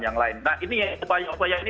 yang lain nah ini upaya upaya ini